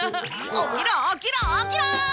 起きろ起きろ起きろ！